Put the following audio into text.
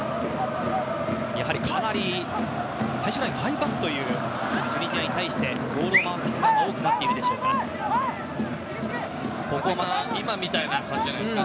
やはり、かなり最終ライン、５バックというチュニジアに対してボールを回す時間が今みたいな感じじゃないですか。